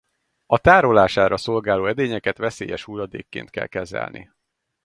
A tárolására szolgáló edényeket veszélyes hulladékként kell kezelni.